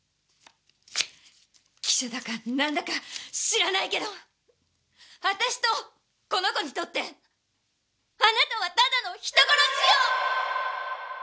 記者だか何だか知らないけど私とこの子にとってあなたはただの人殺しよ！！